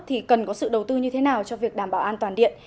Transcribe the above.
thì cần có sự đầu tư như thế nào cho việc đảm bảo an toàn điện